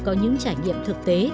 có những trải nghiệm thực tế